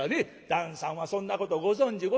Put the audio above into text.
旦さんはそんなことご存じございませんので。